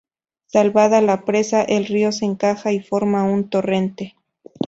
Salvada la presa, el río se encaja y forma un torrente.